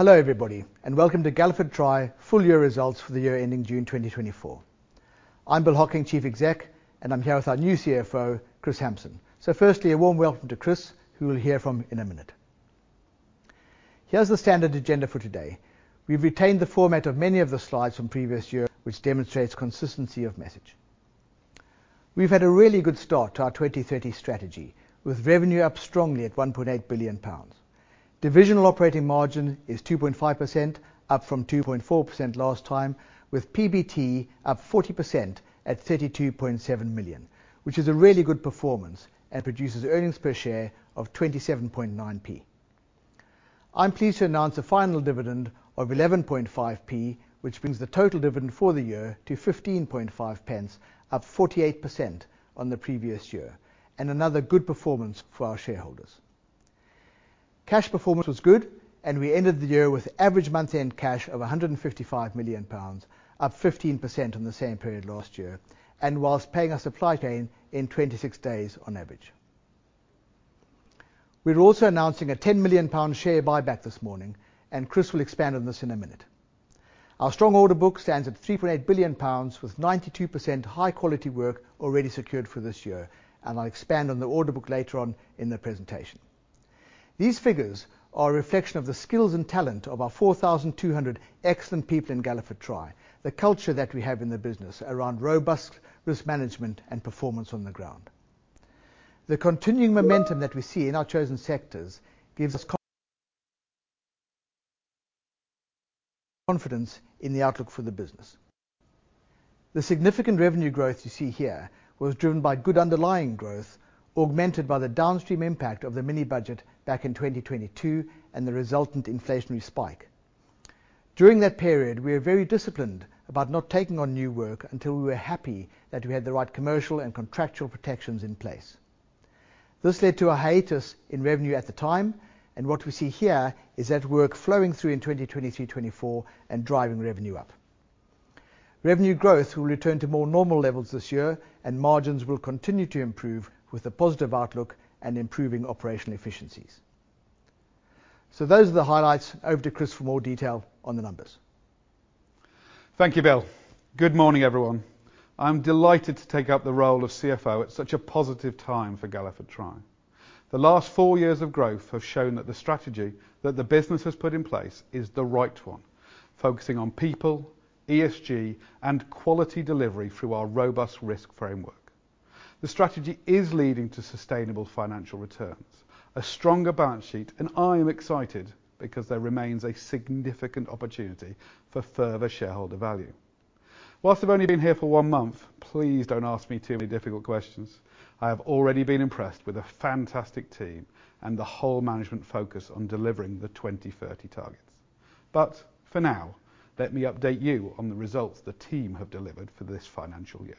Hello, everybody, and welcome to Galliford Try full year results for the year ending June 2024. I'm Bill Hocking, Chief Exec, and I'm here with our new CFO, Kris Hampson. So firstly, a warm welcome to Kris, who we'll hear from in a minute. Here's the standard agenda for today. We've retained the format of many of the slides from previous years, which demonstrates consistency of message. We've had a really good start to our 2030 strategy, with revenue up strongly at 1.8 billion pounds. Divisional operating margin is 2.5%, up from 2.4% last time, with PBT up 40% at 32.7 million, which is a really good performance and produces earnings per share of 27.9p. I'm pleased to announce a final dividend of 0.115, which brings the total dividend for the year to 0.155, up 48% on the previous year, and another good performance for our shareholders. Cash performance was good, and we ended the year with average month-end cash of 155 million pounds, up 15% on the same period last year, and whilst paying our supply chain in 26 days on average. We're also announcing a 10 million pound share buyback this morning, and Kris will expand on this in a minute. Our strong order book stands at 3.8 billion pounds, with 92% high quality work already secured for this year, and I'll expand on the order book later on in the presentation. These figures are a reflection of the skills and talent of our four thousand two hundred excellent people in Galliford Try, the culture that we have in the business around robust risk management and performance on the ground. The continuing momentum that we see in our chosen sectors gives us confidence in the outlook for the business. The significant revenue growth you see here was driven by good underlying growth, augmented by the downstream impact of the mini budget back in 2022 and the resultant inflationary spike. During that period, we were very disciplined about not taking on new work until we were happy that we had the right commercial and contractual protections in place. This led to a hiatus in revenue at the time, and what we see here is that work flowing through in 2023/24 and driving revenue up. Revenue growth will return to more normal levels this year, and margins will continue to improve with a positive outlook and improving operational efficiencies. So those are the highlights. Over to Kris for more detail on the numbers. Thank you, Bill. Good morning, everyone. I'm delighted to take up the role of CFO at such a positive time for Galliford Try. The last four years of growth have shown that the strategy that the business has put in place is the right one, focusing on people, ESG, and quality delivery through our robust risk framework. The strategy is leading to sustainable financial returns, a stronger balance sheet, and I am excited because there remains a significant opportunity for further shareholder value. Whilst I've only been here for one month, please don't ask me too many difficult questions. I have already been impressed with a fantastic team and the whole management focus on delivering the 2030 targets. But for now, let me update you on the results the team have delivered for this financial year.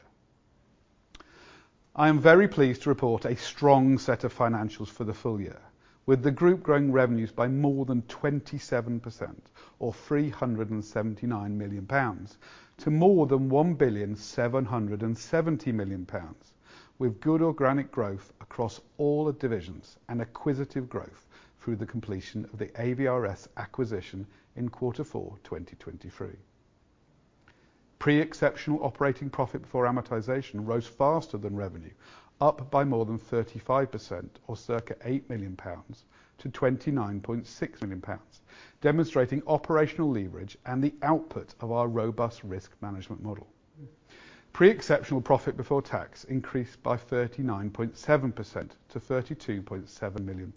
I am very pleased to report a strong set of financials for the full year, with the group growing revenues by more than 27%, or 379 million pounds, to more than 1.77 billion, with good organic growth across all the divisions and acquisitive growth through the completion of the AVRS acquisition in quarter four 2023. Pre-exceptional operating profit before amortization rose faster than revenue, up by more than 35%, or circa 8 million pounds, to 29.6 million pounds, demonstrating operational leverage and the output of our robust risk management model. Pre-exceptional profit before tax increased by 39.7% to GBP 32.7 million.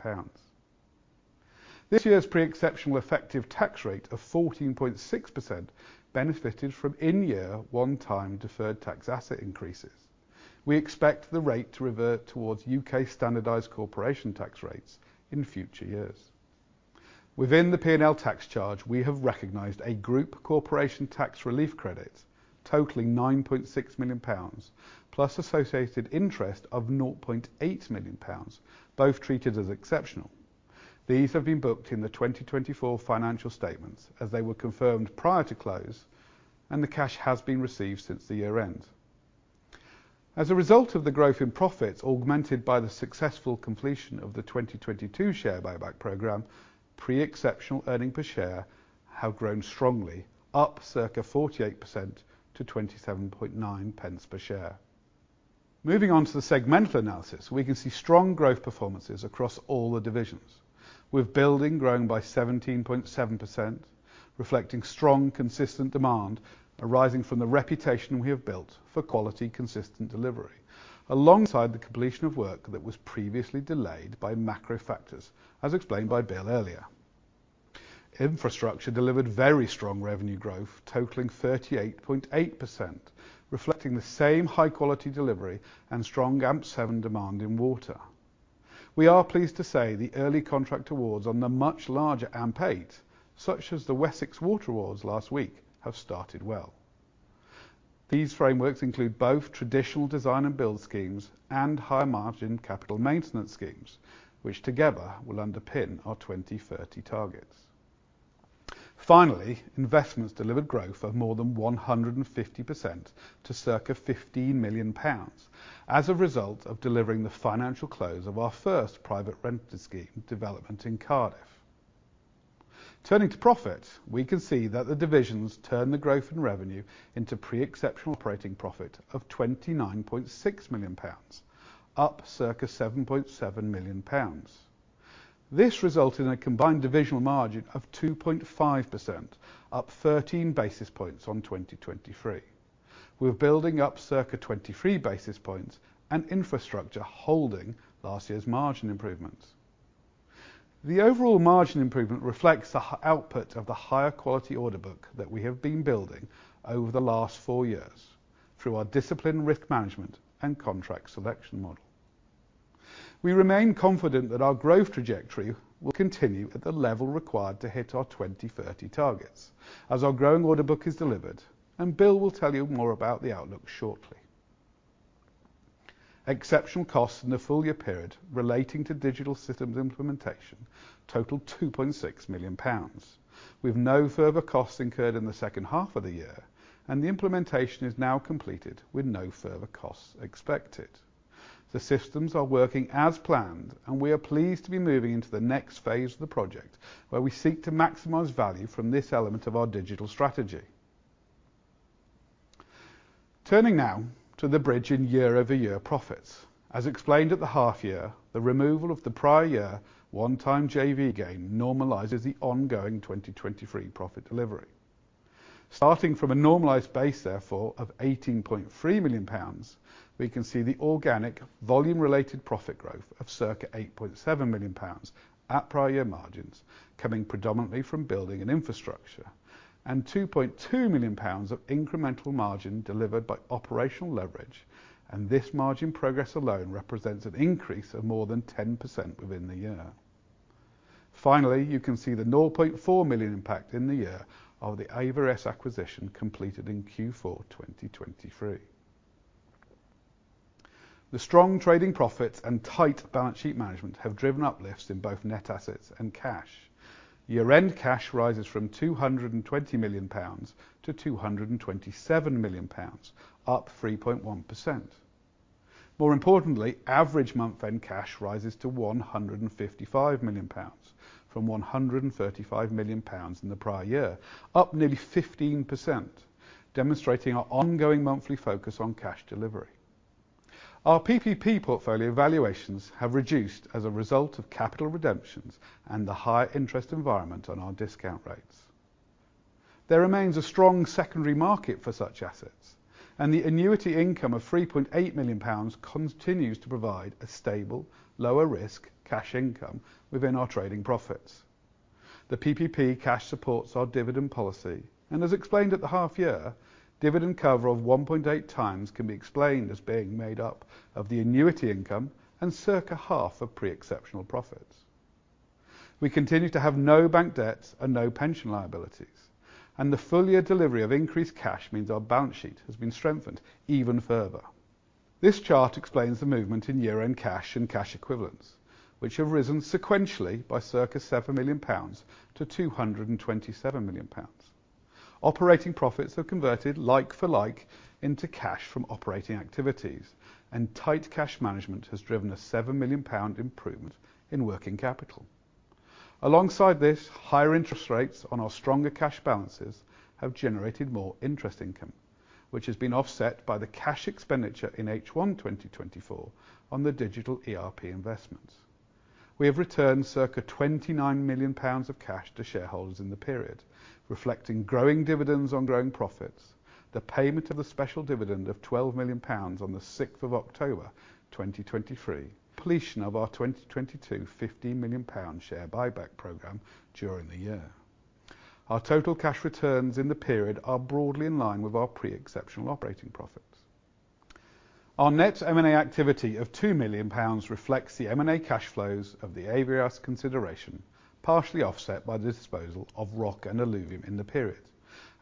This year's pre-exceptional effective tax rate of 14.6% benefited from in-year one-time deferred tax asset increases. We expect the rate to revert towards UK standardized corporation tax rates in future years. Within the P&L tax charge, we have recognized a group corporation tax relief credit totaling 9.6 million pounds, plus associated interest of 0.8 million pounds, both treated as exceptional. These have been booked in the 2024 financial statements, as they were confirmed prior to close, and the cash has been received since the year end. As a result of the growth in profits, augmented by the successful completion of the 2022 share buyback program, pre-exceptional earnings per share have grown strongly, up circa 48% to 0.279 per share. Moving on to the segmental analysis, we can see strong growth performances across all the divisions, with building growing by 17.7%, reflecting strong, consistent demand arising from the reputation we have built for quality, consistent delivery, alongside the completion of work that was previously delayed by macro factors, as explained by Bill earlier. Infrastructure delivered very strong revenue growth, totaling 38.8%, reflecting the same high-quality delivery and strong AMP7 demand in water. We are pleased to say the early contract awards on the much larger AMP8, such as the Wessex Water awards last week, have started well. These frameworks include both traditional design and build schemes and high-margin capital maintenance schemes, which together will underpin our 2030 targets. Finally, investments delivered growth of more than 150% to circa 50 million pounds, as a result of delivering the financial close of our first private rental scheme development in Cardiff. Turning to profit, we can see that the divisions turn the growth in revenue into pre-exceptional operating profit of 29.6 million pounds, up circa 7.7 million pounds. This resulted in a combined divisional margin of 2.5%, up 13 basis points on 2023. We're building up circa 23 basis points in Building and Infrastructure holding last year's margin improvements. The overall margin improvement reflects the higher output of the higher quality order book that we have been building over the last four years through our disciplined risk management and contract selection model. We remain confident that our growth trajectory will continue at the level required to hit our 2030 targets as our growing order book is delivered, and Bill will tell you more about the outlook shortly. Exceptional costs in the full year period relating to digital systems implementation totaled 2.6 million pounds, with no further costs incurred in the second half of the year, and the implementation is now completed with no further costs expected. The systems are working as planned, and we are pleased to be moving into the next phase of the project, where we seek to maximize value from this element of our digital strategy. Turning now to the bridge in year-over-year profits. As explained at the half year, the removal of the prior year, one-time JV gain normalizes the ongoing 2023 profit delivery. Starting from a normalized base, therefore, of 18.3 million pounds, we can see the organic volume-related profit growth of circa 8.7 million pounds at prior year margins, coming predominantly from building and infrastructure, and 2.2 million pounds of incremental margin delivered by operational leverage, and this margin progress alone represents an increase of more than 10% within the year. Finally, you can see the 0.4 million impact in the year of the AVRS acquisition completed in Q4 2023. The strong trading profits and tight balance sheet management have driven uplifts in both net assets and cash. Year-end cash rises from 220 million pounds to 227 million pounds, up 3.1%. More importantly, average month-end cash rises to 155 million pounds, from 135 million pounds in the prior year, up nearly 15%, demonstrating our ongoing monthly focus on cash delivery. Our PPP portfolio valuations have reduced as a result of capital redemptions and the high interest environment on our discount rates. There remains a strong secondary market for such assets, and the annuity income of 3.8 million pounds continues to provide a stable, lower risk, cash income within our trading profits. The PPP cash supports our dividend policy, and as explained at the half year, dividend cover of 1.8 times can be explained as being made up of the annuity income and circa half of pre-exceptional profits. We continue to have no bank debts and no pension liabilities, and the full year delivery of increased cash means our balance sheet has been strengthened even further. This chart explains the movement in year-end cash and cash equivalents, which have risen sequentially by circa 7 million pounds to 227 million pounds. Operating profits have converted like for like into cash from operating activities, and tight cash management has driven a 7 million pound improvement in working capital. Alongside this, higher interest rates on our stronger cash balances have generated more interest income, which has been offset by the cash expenditure in H1, 2024 on the digital ERP investments. We have returned circa 29 million pounds of cash to shareholders in the period, reflecting growing dividends on growing profits, the payment of a special dividend of 12 million pounds on the sixth of October, 2023. Completion of our 2022 50 million pound share buyback program during the year. Our total cash returns in the period are broadly in line with our pre-exceptional operating profits. Our net M&A activity of 2 million pounds reflects the M&A cash flows of the AVRS consideration, partially offset by the disposal of Rock & Alluvium in the period,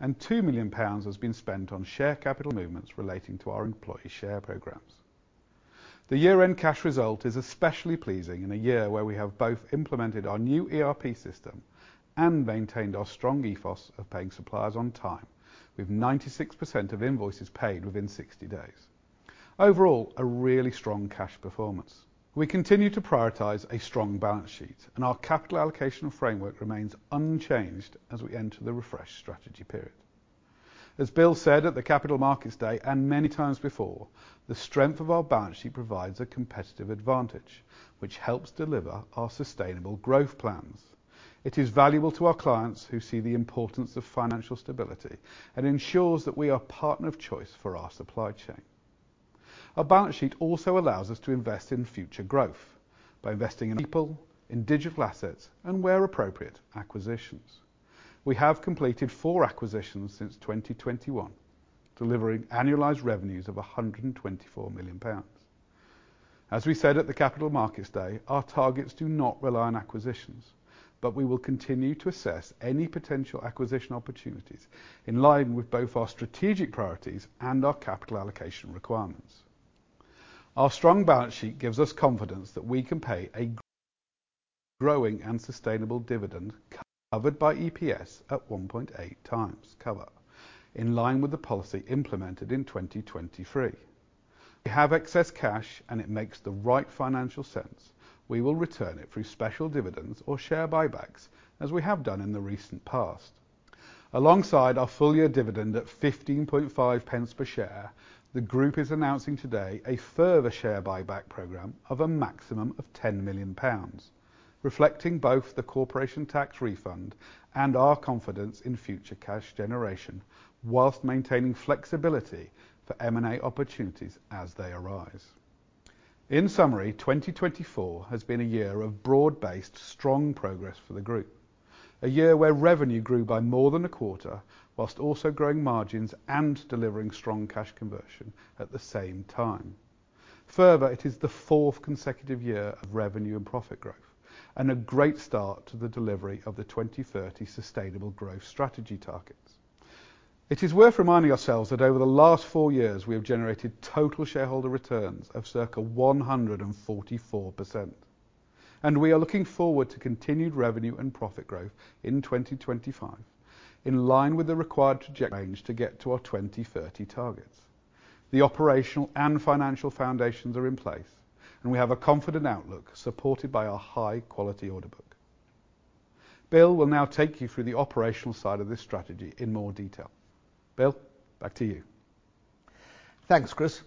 and 2 million pounds has been spent on share capital movements relating to our employee share programs. The year-end cash result is especially pleasing in a year where we have both implemented our new ERP system and maintained our strong ethos of paying suppliers on time, with 96% of invoices paid within 60 days. Overall, a really strong cash performance. We continue to prioritize a strong balance sheet, and our capital allocation framework remains unchanged as we enter the refresh strategy period. As Bill said at the Capital Markets Day, and many times before, the strength of our balance sheet provides a competitive advantage, which helps deliver our sustainable growth plans. It is valuable to our clients who see the importance of financial stability and ensures that we are partner of choice for our supply chain. Our balance sheet also allows us to invest in future growth by investing in people, in digital assets, and, where appropriate, acquisitions. We have completed four acquisitions since 2021, delivering annualized revenues of 124 million pounds. As we said at the Capital Markets Day, our targets do not rely on acquisitions, but we will continue to assess any potential acquisition opportunities in line with both our strategic priorities and our capital allocation requirements.... Our strong balance sheet gives us confidence that we can pay a growing and sustainable dividend covered by EPS at 1.8 times cover, in line with the policy implemented in 2023. We have excess cash, and it makes the right financial sense. We will return it through special dividends or share buybacks, as we have done in the recent past. Alongside our full-year dividend at 15.5 pence per share, the group is announcing today a further share buyback program of a maximum of 10 million pounds, reflecting both the corporation tax refund and our confidence in future cash generation, while maintaining flexibility for M&A opportunities as they arise. In summary, 2024 has been a year of broad-based, strong progress for the group. A year where revenue grew by more than a quarter, whilst also growing margins and delivering strong cash conversion at the same time. Further, it is the fourth consecutive year of revenue and profit growth, and a great start to the delivery of the 2030 sustainable growth strategy targets. It is worth reminding ourselves that over the last four years, we have generated total shareholder returns of circa 144%, and we are looking forward to continued revenue and profit growth in 2025, in line with the required trajectory range to get to our 2030 targets. The operational and financial foundations are in place, and we have a confident outlook, supported by our high-quality order book. Bill will now take you through the operational side of this strategy in more detail. Bill, back to you. Thanks, Kris.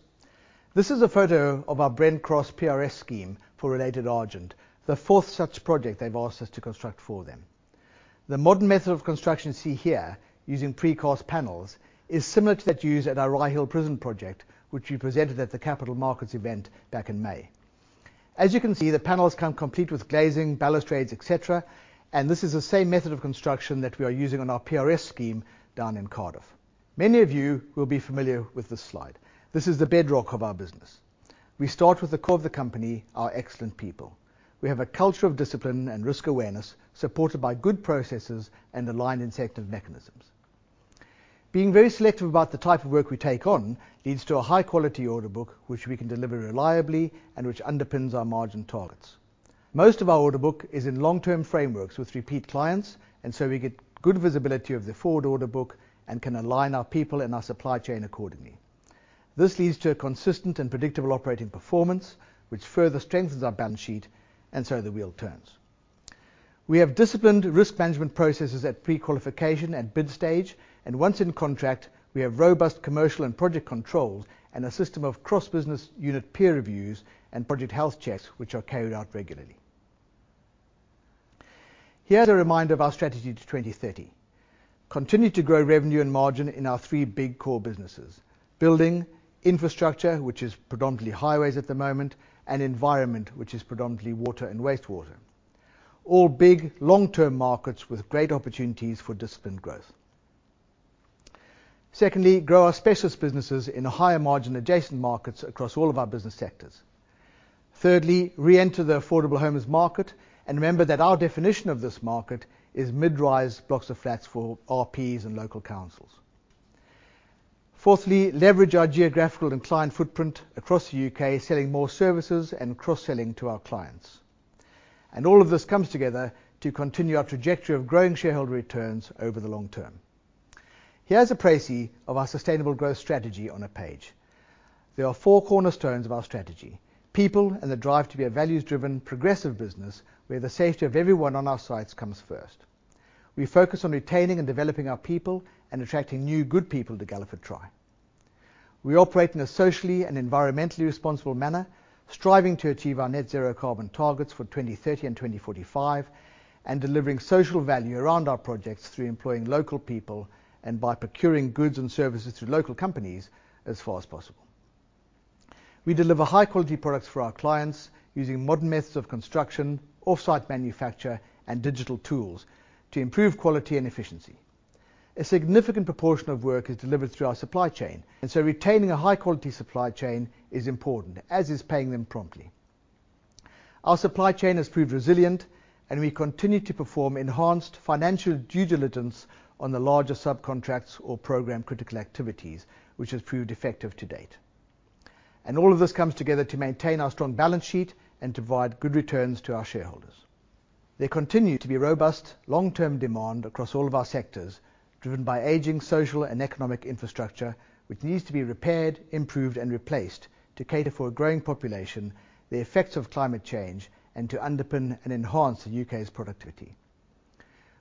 This is a photo of our Brent Cross PRS scheme for Related Argent, the fourth such project they've asked us to construct for them. The modern method of construction you see here, using precast panels, is similar to that used at our Rye Hill Prison project, which we presented at the capital markets event back in May. As you can see, the panels come complete with glazing, balustrades, et cetera, and this is the same method of construction that we are using on our PRS scheme down in Cardiff. Many of you will be familiar with this slide. This is the bedrock of our business. We start with the core of the company, our excellent people. We have a culture of discipline and risk awareness, supported by good processes and aligned incentive mechanisms. Being very selective about the type of work we take on leads to a high-quality order book, which we can deliver reliably and which underpins our margin targets. Most of our order book is in long-term frameworks with repeat clients, and so we get good visibility of the forward order book and can align our people and our supply chain accordingly. This leads to a consistent and predictable operating performance, which further strengthens our balance sheet, and so the wheel turns. We have disciplined risk management processes at pre-qualification and bid stage, and once in contract, we have robust commercial and project controls and a system of cross-business unit peer reviews and project health checks, which are carried out regularly. Here is a reminder of our strategy to 2030. Continue to grow revenue and margin in our three big core businesses: building, infrastructure, which is predominantly highways at the moment, and environment, which is predominantly water and wastewater. All big, long-term markets with great opportunities for disciplined growth. Secondly, grow our specialist businesses in higher margin adjacent markets across all of our business sectors. Thirdly, re-enter the affordable homes market and remember that our definition of this market is mid-rise blocks of flats for RPs and local councils. Fourthly, leverage our geographical and client footprint across the UK, selling more services and cross-selling to our clients. And all of this comes together to continue our trajectory of growing shareholder returns over the long term. Here's a precis of our sustainable growth strategy on a page. There are four cornerstones of our strategy: people and the drive to be a values-driven, progressive business, where the safety of everyone on our sites comes first. We focus on retaining and developing our people and attracting new, good people to Galliford Try. We operate in a socially and environmentally responsible manner, striving to achieve our net zero carbon targets for 2030 and 2045, and delivering social value around our projects through employing local people and by procuring goods and services through local companies as far as possible. We deliver high-quality products for our clients using modern methods of construction, off-site manufacture, and digital tools to improve quality and efficiency. A significant proportion of work is delivered through our supply chain, and so retaining a high-quality supply chain is important, as is paying them promptly. Our supply chain has proved resilient, and we continue to perform enhanced financial due diligence on the larger subcontracts or program-critical activities, which has proved effective to date. And all of this comes together to maintain our strong balance sheet and provide good returns to our shareholders. There continue to be robust, long-term demand across all of our sectors, driven by aging social and economic infrastructure, which needs to be repaired, improved, and replaced to cater for a growing population, the effects of climate change, and to underpin and enhance the U.K.'s productivity.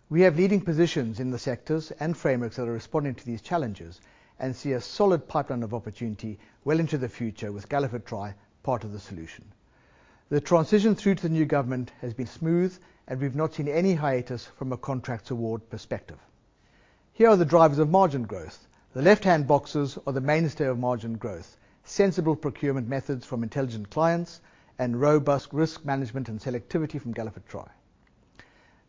We have leading positions in the sectors and frameworks that are responding to these challenges and see a solid pipeline of opportunity well into the future, with Galliford Try part of the solution. The transition through to the new government has been smooth, and we've not seen any hiatus from a contracts award perspective. Here are the drivers of margin growth. The left-hand boxes are the mainstay of margin growth, sensible procurement methods from intelligent clients and robust risk management and selectivity from Galliford Try.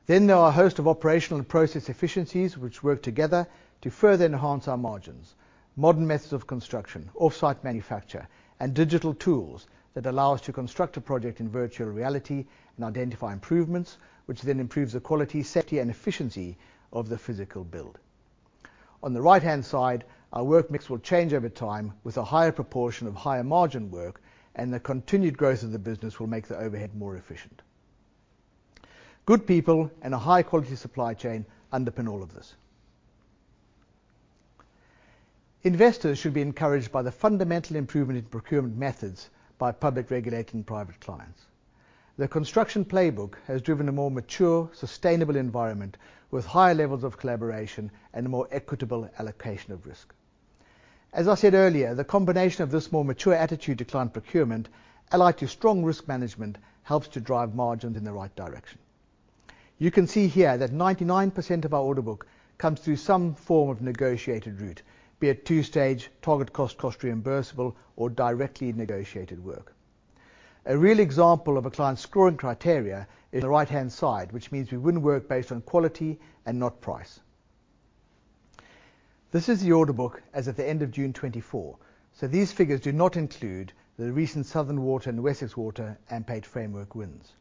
Then there are a host of operational and process efficiencies which work together to further enhance our margins, modern methods of construction, off-site manufacture, and digital tools that allow us to construct a project in virtual reality and identify improvements, which then improves the quality, safety, and efficiency of the physical build. On the right-hand side, our work mix will change over time, with a higher proportion of higher-margin work, and the continued growth of the business will make the overhead more efficient. Good people and a high-quality supply chain underpin all of this. Investors should be encouraged by the fundamental improvement in procurement methods by publicly regulated private clients. The Construction Playbook has driven a more mature, sustainable environment with higher levels of collaboration and a more equitable allocation of risk. As I said earlier, the combination of this more mature attitude to client procurement, allied to strong risk management, helps to drive margins in the right direction. You can see here that 99% of our order book comes through some form of negotiated route, be it two-stage, target cost, cost reimbursable, or directly negotiated work. A real example of a client's scoring criteria in the right-hand side, which means we win work based on quality and not price. This is the order book as of the end of June 2024, so these figures do not include the recent Southern Water and Wessex Water framework wins.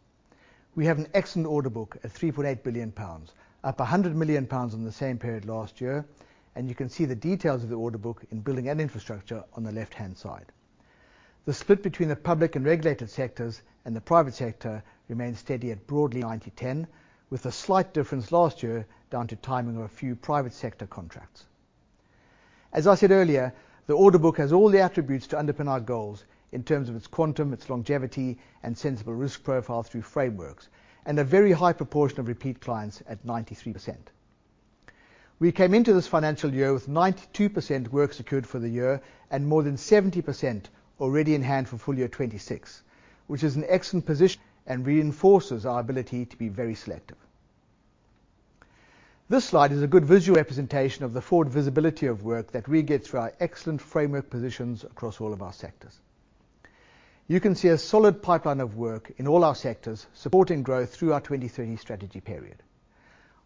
We have an excellent order book at 3.8 billion pounds, up 100 million pounds on the same period last year, and you can see the details of the order book in building and infrastructure on the left-hand side. The split between the public and regulated sectors and the private sector remains steady at broadly 90/10, with a slight difference last year down to timing of a few private sector contracts. As I said earlier, the order book has all the attributes to underpin our goals in terms of its quantum, its longevity, and sensible risk profile through frameworks, and a very high proportion of repeat clients at 93%. We came into this financial year with 92% work secured for the year and more than 70% already in hand for full year 2026, which is an excellent position and reinforces our ability to be very selective. This slide is a good visual representation of the forward visibility of work that we get through our excellent framework positions across all of our sectors. You can see a solid pipeline of work in all our sectors, supporting growth through our 2030 strategy period.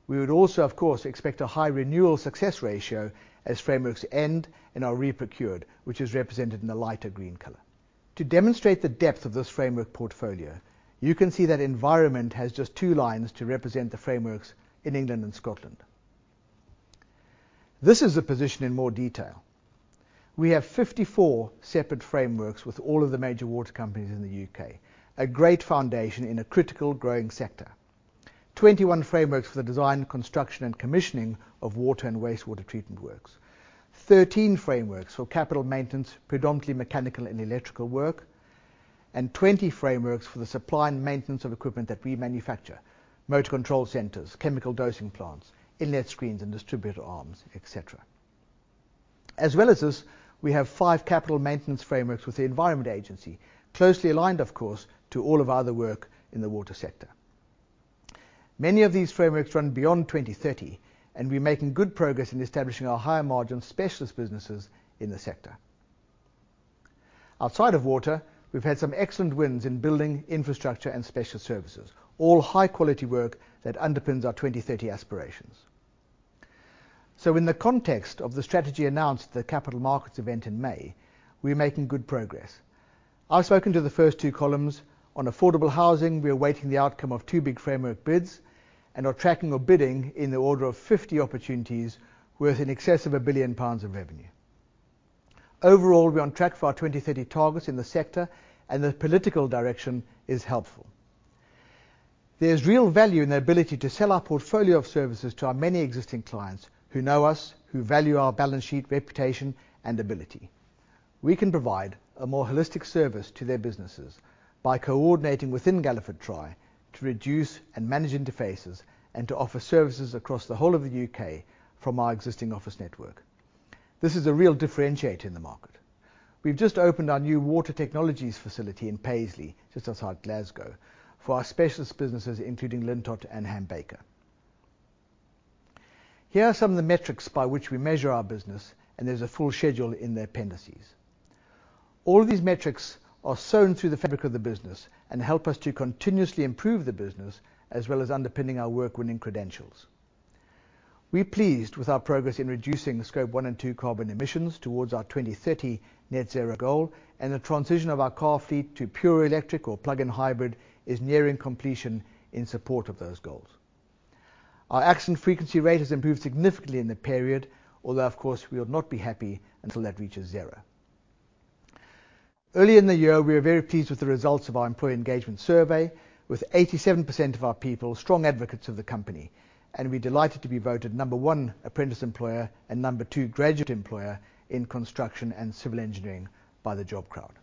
We would also, of course, expect a high renewal success ratio as frameworks end and are re-procured, which is represented in the lighter green color. To demonstrate the depth of this framework portfolio, you can see that environment has just two lines to represent the frameworks in England and Scotland. This is the position in more detail. We have fifty-four separate frameworks with all of the major water companies in the U.K., a great foundation in a critical growing sector. Twenty-one frameworks for the design, construction, and commissioning of water and wastewater treatment works. Thirteen frameworks for capital maintenance, predominantly mechanical and electrical work, and twenty frameworks for the supply and maintenance of equipment that we manufacture: motor control centers, chemical dosing plants, inlet screens, and distributor arms, et cetera. As well as this, we have five capital maintenance frameworks with the Environment Agency, closely aligned, of course, to all of our other work in the water sector. Many of these frameworks run beyond 2030, and we're making good progress in establishing our higher-margin specialist businesses in the sector. Outside of water, we've had some excellent wins in building, infrastructure, and Specialist Services, all high-quality work that underpins our 2030 aspirations. So in the context of the strategy announced at the capital markets event in May, we're making good progress. I've spoken to the first two columns. On affordable housing, we are awaiting the outcome of two big framework bids and are tracking or bidding in the order of fifty opportunities worth in excess of 1 billion pounds of revenue. Overall, we're on track for our 2030 targets in the sector, and the political direction is helpful. There's real value in the ability to sell our portfolio of services to our many existing clients who know us, who value our balance sheet, reputation, and ability. We can provide a more holistic service to their businesses by coordinating within Galliford Try to reduce and manage interfaces and to offer services across the whole of the U.K. from our existing office network. This is a real differentiator in the market. We've just opened our new water technologies facility in Paisley, just outside Glasgow, for our specialist businesses, including Lintott and Ham Baker. Here are some of the metrics by which we measure our business, and there's a full schedule in the appendices. All of these metrics are sewn through the fabric of the business and help us to continuously improve the business, as well as underpinning our work-winning credentials. We're pleased with our progress in reducing Scope 1 and 2 carbon emissions towards our 2030 net zero goal, and the transition of our car fleet to pure electric or plug-in hybrid is nearing completion in support of those goals. Our accident frequency rate has improved significantly in the period, although of course, we would not be happy until that reaches zero. Earlier in the year, we were very pleased with the results of our employee engagement survey, with 87% of our people strong advocates of the company, and we're delighted to be voted number one apprentice employer and number two graduate employer in construction and civil engineering by the The Job Crowd.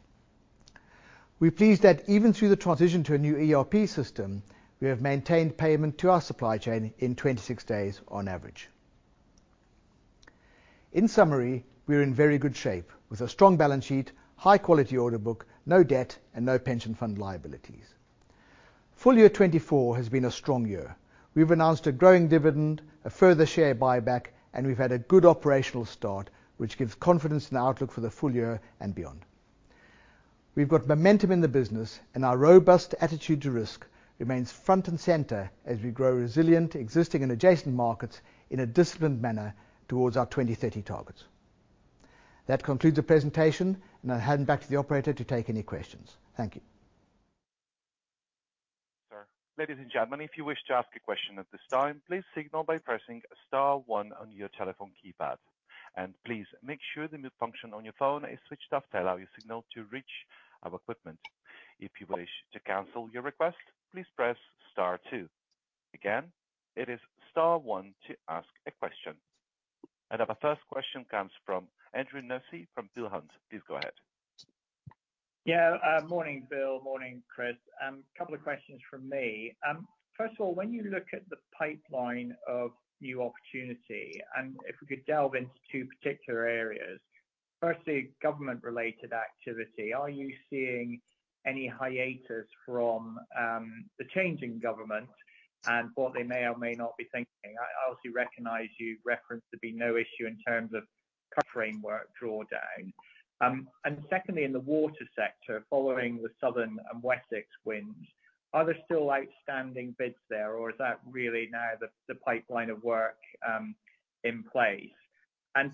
We're pleased that even through the transition to a new ERP system, we have maintained payment to our supply chain in 26 days on average. In summary, we are in very good shape with a strong balance sheet, high-quality order book, no debt, and no pension fund liabilities. Full year 2024 has been a strong year. We've announced a growing dividend, a further share buyback, and we've had a good operational start, which gives confidence in the outlook for the full year and beyond. We've got momentum in the business, and our robust attitude to risk remains front and center as we grow resilient, existing, and adjacent markets in a disciplined manner towards our 2030 targets. That concludes the presentation, and I'll hand it back to the operator to take any questions. Thank you. Ladies and gentlemen, if you wish to ask a question at this time, please signal by pressing star one on your telephone keypad. And please make sure the mute function on your phone is switched off to allow your signal to reach our equipment. If you wish to cancel your request, please press star two. Again, it is star one to ask a question. And our first question comes from Andrew Nussey from Berenberg. Please go ahead. Yeah. Morning, Bill. Morning, Kris. Couple of questions from me. First of all, when you look at the pipeline of new opportunity, and if we could delve into two particular areas. Firstly, government-related activity, are you seeing any hiatus from the change in government and what they may or may not be thinking? I obviously recognize you referenced there to be no issue in terms of framework drawdown. And secondly, in the water sector, following the Southern and Wessex wins, are there still outstanding bids there, or is that really now the pipeline of work, in place? And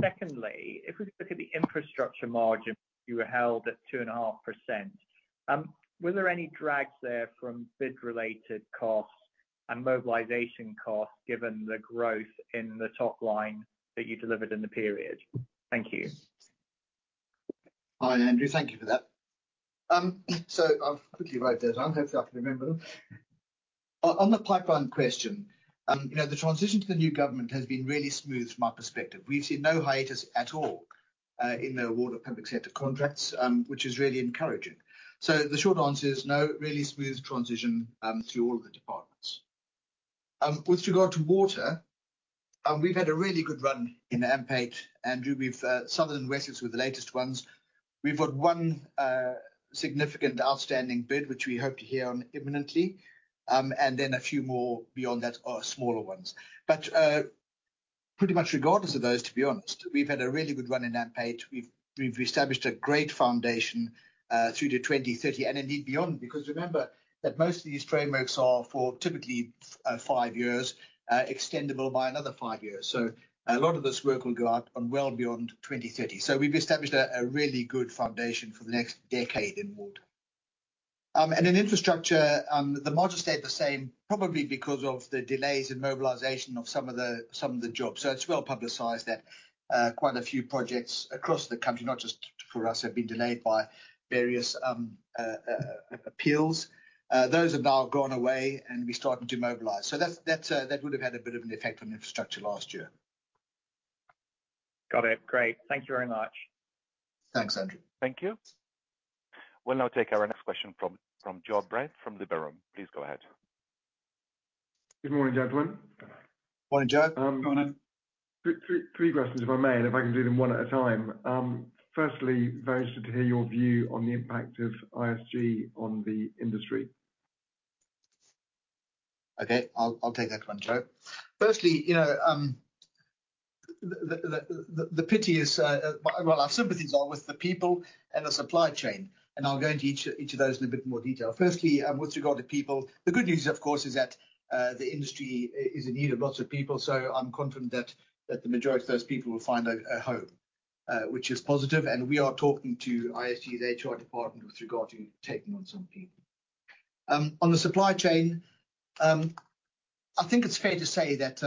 secondly, if we look at the infrastructure margin, you were held at 2.5%. Were there any drags there from bid-related costs and mobilization costs, given the growth in the top line that you delivered in the period? Thank you. Hi, Andrew. Thank you for that. So I've quickly wrote those down. Hopefully, I can remember them. On the pipeline question, you know, the transition to the new government has been really smooth from my perspective. We've seen no hiatus at all in the award of public sector contracts, which is really encouraging. So the short answer is no, really smooth transition through all of the departments. With regard to water, we've had a really good run in AMP8, Andrew. We've Southern and Wessex were the latest ones. We've got one significant outstanding bid, which we hope to hear on imminently, and then a few more beyond that are smaller ones. But pretty much regardless of those, to be honest, we've had a really good run in AMP8. We've established a great foundation through to 2030 and indeed beyond. Because remember that most of these frameworks are for typically five years, extendable by another five years, so a lot of this work will go on well beyond 2030. So we've established a really good foundation for the next decade in water. And in infrastructure, the margin stayed the same, probably because of the delays in mobilization of some of the jobs. So it's well-publicized that quite a few projects across the country, not just for us, have been delayed by various appeals. Those have now gone away, and we're starting to mobilize. So that's that would have had a bit of an effect on infrastructure last year. Got it. Great. Thank you very much. Thanks, Andrew. Thank you. We'll now take our next question from Joe Brent, from Liberum. Please go ahead. Good morning, gentlemen. Morning, Joe. Morning. Three questions, if I may, and if I can do them one at a time. Firstly, very interested to hear your view on the impact of ISG on the industry. Okay, I'll take that one, Joe. Firstly, you know, the pity is, well, our sympathies are with the people and the supply chain, and I'll go into each of those in a bit more detail. Firstly, with regard to people, the good news, of course, is that the industry is in need of lots of people, so I'm confident that the majority of those people will find a home, which is positive. And we are talking to ISG's HR department with regard to taking on some people. On the supply chain, I think it's fair to say that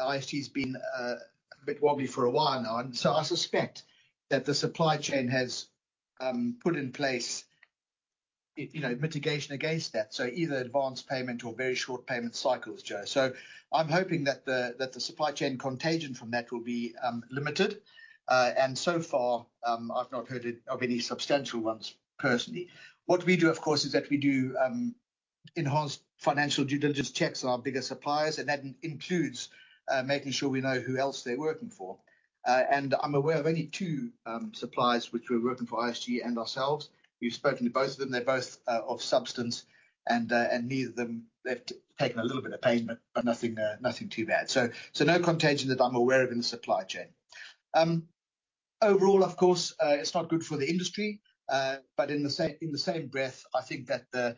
ISG's been a bit wobbly for a while now, and so I suspect that the supply chain has put in place, you know, mitigation against that, so either advanced payment or very short payment cycles, Joe. So I'm hoping that that the supply chain contagion from that will be limited. And so far, I've not heard of any substantial ones personally. What we do, of course, is that we do enhanced financial due diligence checks on our bigger suppliers, and that includes making sure we know who else they're working for. And I'm aware of only two suppliers which were working for ISG and ourselves. We've spoken to both of them. They're both of substance, and neither of them. They've taken a little bit of payment, but nothing too bad, so no contagion that I'm aware of in the supply chain. Overall, of course, it's not good for the industry, but in the same breath, I think that the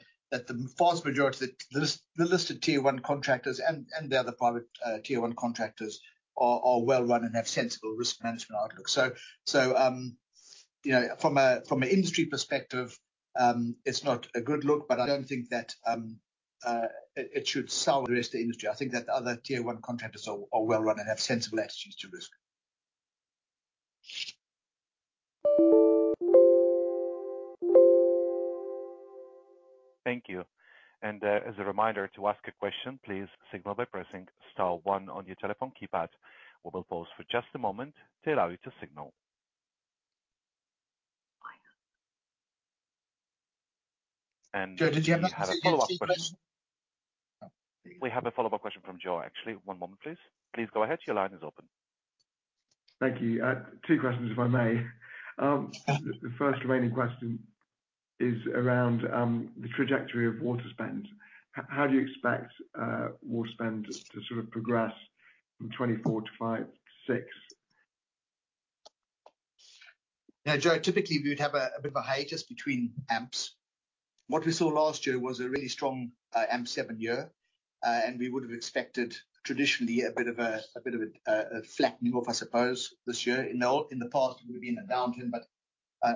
vast majority of the listed Tier One contractors and the other private Tier One contractors are well run and have sensible risk management outlooks, so you know, from an industry perspective, it's not a good look, but I don't think that it should sour the rest of the industry. I think that the other Tier One contractors are well run and have sensible attitudes to risk. Thank you. And, as a reminder, to ask a question, please signal by pressing star one on your telephone keypad. We will pause for just a moment to allow you to signal. Joe, did you have a second question? We have a follow-up question from Joe, actually. One moment, please. Please go ahead. Your line is open. Thank you. Two questions, if I may. The first remaining question is around the trajectory of water spend. How do you expect water spend to sort of progress from 2024 to 2025 to 2026? Now, Joe, typically, we would have a bit of a hiatus between AMPs. What we saw last year was a really strong AMP7 year, and we would have expected traditionally a bit of a flattening off, I suppose, this year. In the past, it would have been a downturn,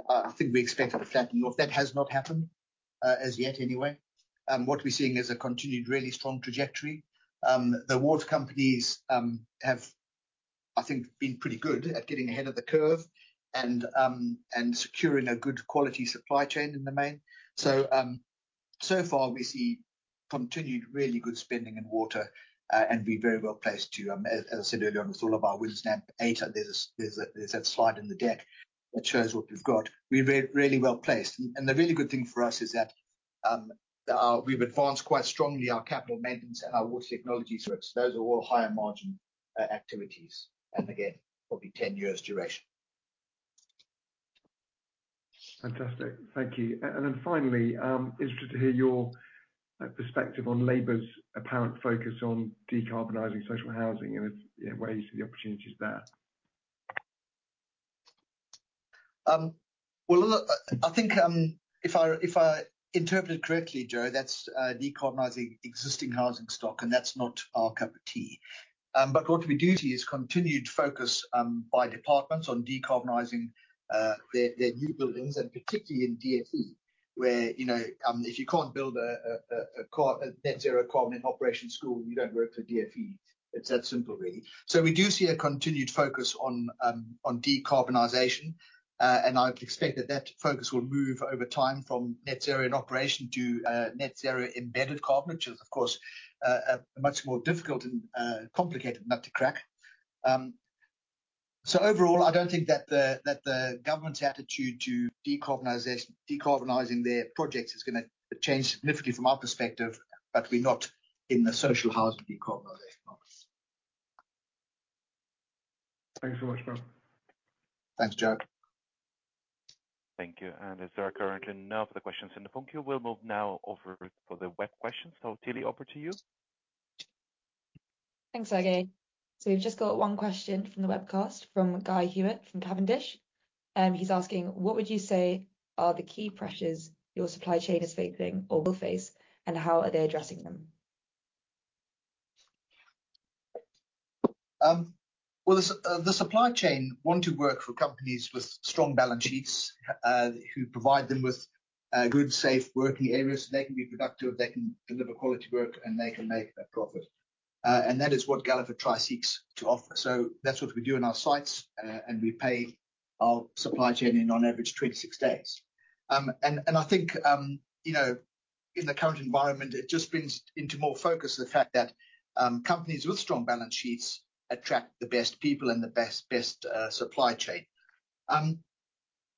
but I think we expected a flattening off. That has not happened, as yet anyway. What we're seeing is a continued really strong trajectory. The water companies have, I think, been pretty good at getting ahead of the curve and securing a good quality supply chain in the main. So far, we see continued really good spending in water, and we're very well placed to, as I said earlier on with all of our wins, AMP8. There's that slide in the deck that shows what we've got. We're really well placed, and the really good thing for us is that we've advanced quite strongly our capital maintenance and our water technology sorts. Those are all higher margin activities, and again, probably ten years duration. Fantastic. Thank you. And then finally, interested to hear your perspective on Labour's apparent focus on decarbonizing social housing and its, you know, where you see the opportunities there? Well, look, I think, if I interpreted correctly, Joe, that's decarbonizing existing housing stock, and that's not our cup of tea. But what we do see is continued focus by departments on decarbonizing their new buildings, and particularly in DfE, where, you know, if you can't build a net zero carbon in operation school, you don't work for DfE. It's that simple, really. So we do see a continued focus on decarbonization, and I'd expect that that focus will move over time from net zero in operation to net zero embedded carbon, which is, of course, a much more difficult and complicated nut to crack. So overall, I don't think that the government's attitude to decarbonizing their projects is gonna change significantly from our perspective, but we're not in the social housing decarbonization box. Thanks so much, Bill. Thanks, Joe. Thank you. And is there currently any questions in the phone queue? We'll move now over to the web questions. So Tilly, over to you. Thanks, Sergei. So we've just got one question from the webcast, from Guy Hewitt, from Cavendish, and he's asking: What would you say are the key pressures your supply chain is facing or will face, and how are they addressing them? Well, the supply chain want to work for companies with strong balance sheets, who provide them with good, safe working areas, so they can be productive, they can deliver quality work, and they can make a profit. And that is what Galliford Try seeks to offer. So that's what we do in our sites, and we pay our supply chain in on average, 26 days. And I think, you know, in the current environment, it just brings into more focus the fact that companies with strong balance sheets attract the best people and the best supply chain.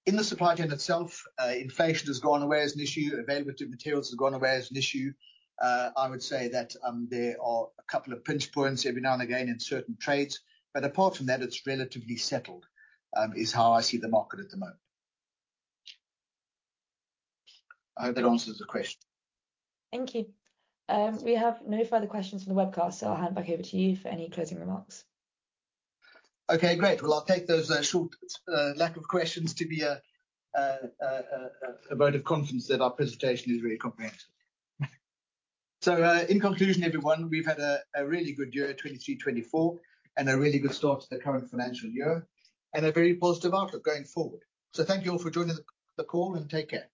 In the supply chain itself, inflation has gone away as an issue. Availability of materials has gone away as an issue. I would say that, there are a couple of pinch points every now and again in certain trades, but apart from that, it's relatively settled, is how I see the market at the moment. I hope that answers the question. Thank you. We have no further questions from the webcast, so I'll hand back over to you for any closing remarks. Okay, great. Well, I'll take those short lack of questions to be a vote of confidence that our presentation is very comprehensive. So, in conclusion, everyone, we've had a really good year, 2023-2024, and a really good start to the current financial year, and a very positive outlook going forward. So thank you all for joining the call, and take care.